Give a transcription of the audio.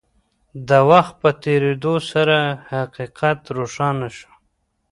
د وخت په تېرېدو سره حقيقت روښانه شو.